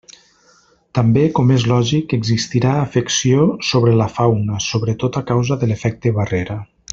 També, com és lògic, existirà afecció sobre la fauna sobretot a causa de l'efecte barrera.